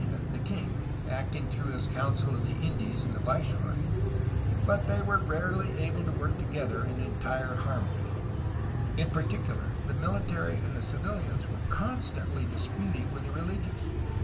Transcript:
i OVERLAND ADVANCE TO THE CALIFORNIA BORDER 155 king (acting through his Council of the Indies and the viceroy), but they were rarely able to work together in en tire harmony. In particular, the military and the civilians were constantly disputing with the rehgious.